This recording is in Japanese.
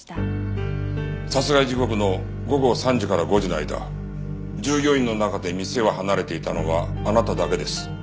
殺害時刻の午後３時から５時の間従業員の中で店を離れていたのはあなただけです。